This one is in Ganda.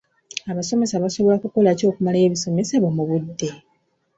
Abasomesa basobola kukola ki okumalayo ebisomesebwa mu budde?